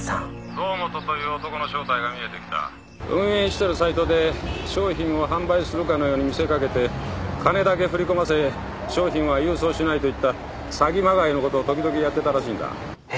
堂本という男の正体が見えてきた運営してるサイトで商品を販売するかのように見せかけて金だけ振り込ませ商品は郵送しないといった詐欺まがいのことを時々やってたらしいんだえっ？